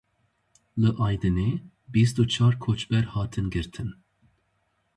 Li Aydinê bîst û çar koçber hatin girtin.